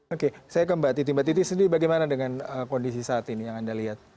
oke saya ke mbak titi mbak titi sendiri bagaimana dengan kondisi saat ini yang anda lihat